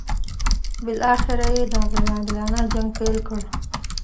بالاخره یې دا غیر عادلانه جنګ پیل کړ.